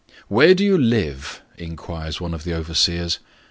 "Where do you live?" inquires one of the overseers.